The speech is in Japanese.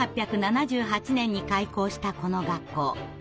１８７８年に開校したこの学校。